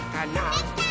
できたー！